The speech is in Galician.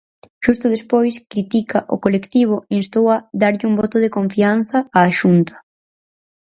Xusto despois, critica, o colectivo instou a "darlle un voto de confianza" á Xunta.